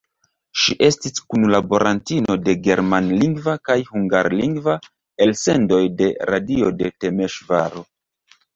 Ŝi estis kunlaborantino de germanlingva kaj hungarlingva elsendoj de radio de Temeŝvaro.